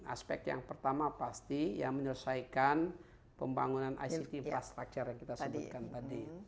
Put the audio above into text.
aspek yang pertama pasti yang menyelesaikan pembangunan ict infrastructure yang kita sebutkan tadi